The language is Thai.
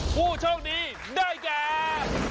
ผู้โชคดีได้แก่